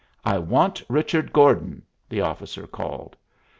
"I want Richard Gordon," the officer called.